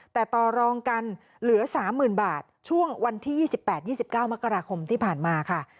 แต่ต่อรองกันเหลือ๓๐๐๐บาทช่วงวันที่๒๘๒๙มกราคมที่ผ่านมาค่ะ